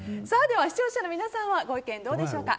視聴者の皆さんはご意見どうでしょうか。